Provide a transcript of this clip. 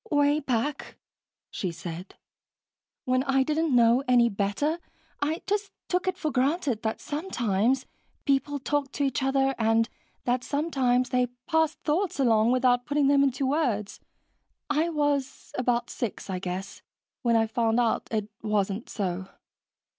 "Way back," she said, "when I didn't know any better, I just took it for granted that sometimes people talked to each other and that sometimes they passed thoughts along without putting them into words. I was about six, I guess, when I found out it wasn't so."